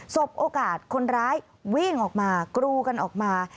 สบโอกาสคนร้ายวิ่งออกมากรูกันออกมา